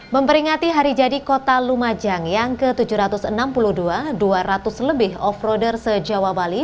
memperingati hari jadi kota lumajang yang ke tujuh ratus enam puluh dua dua ratus lebih off roader se jawa bali